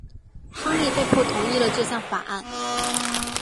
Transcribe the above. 亨利被迫同意了这项法案。